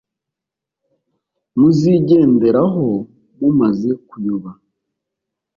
muzigenderaho mumaze kuyoba